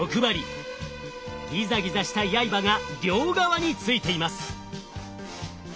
ギザギザしたやいばが両側に付いています。